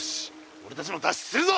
おれたちも脱出するぞ！